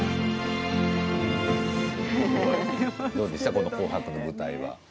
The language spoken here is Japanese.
この「紅白」の舞台は。